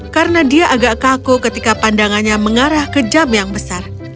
karena dia agak kaku ketika pandangannya mengarah ke jam yang besar